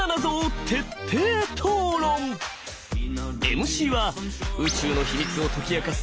ＭＣは宇宙の秘密を解き明かす